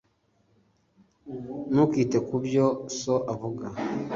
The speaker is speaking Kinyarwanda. Ntukite ku byo so avuga